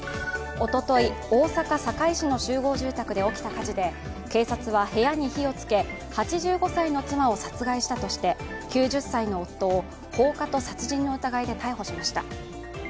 おととい、大阪・堺市の集合住宅で起きた火事で警察は部屋に火を付け８５歳の妻を殺害したとして９０歳の夫を放火と殺人の疑いで逮捕しました。